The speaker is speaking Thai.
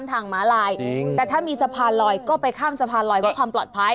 ทางม้าลายแต่ถ้ามีสะพานลอยก็ไปข้ามสะพานลอยเพื่อความปลอดภัย